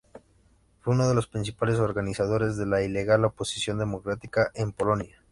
Fue uno de los principales organizadores de la ilegal oposición democrática en Polonia.